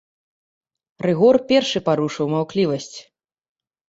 Рыгор першы парушыў маўклівасць.